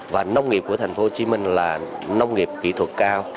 và nông nghiệp của thành phố hồ chí minh là nông nghiệp kỹ thuật cao